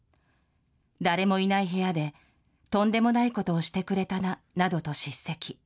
誰もいない部屋で、とんでもないことをしてくれたななどと叱責。